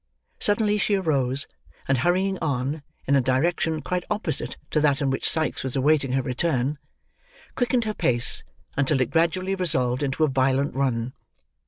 Suddenly she arose; and hurrying on, in a direction quite opposite to that in which Sikes was awaiting her returned, quickened her pace, until it gradually resolved into a violent run.